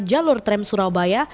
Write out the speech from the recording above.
jalur tram surabaya